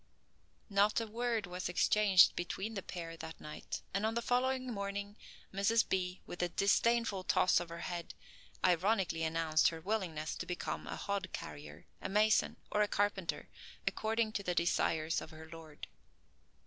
Not a word was exchanged between the pair that night, and on the following morning Mrs. B., with a disdainful toss of her head, ironically announced her willingness to become a hod carrier, a mason, or a carpenter, according the desires of her lord.